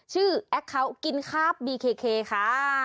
ชื่อแอคเคาท์กินคาบบีเคเคค่ะ